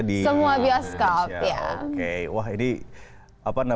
semua bioskop ya